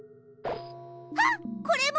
あっこれも！